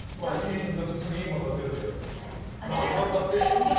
次また出るしかないですよ。